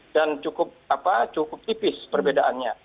dan cukup tipis perbedaannya